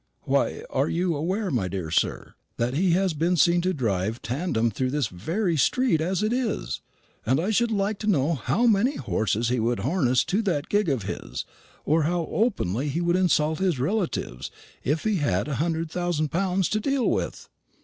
Why, are you aware, my dear sir, that he has been seen to drive tandem through this very street, as it is; and I should like to know how many horses he would harness to that gig of his, or how openly he would insult his relatives, if he had a hundred thousand pounds to deal with?"